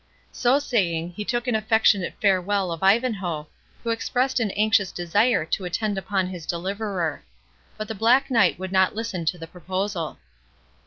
So saying, he took an affectionate farewell of Ivanhoe, who expressed an anxious desire to attend upon his deliverer. But the Black Knight would not listen to the proposal.